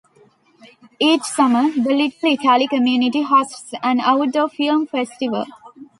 Each summer, the Little Italy community hosts an outdoor film festival.